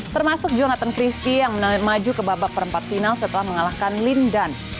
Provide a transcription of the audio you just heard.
termasuk jonathan christie yang menangir maju ke babak perempat final setelah mengalahkan lin dan